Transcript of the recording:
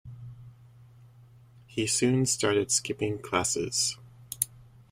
He soon started skipping classes.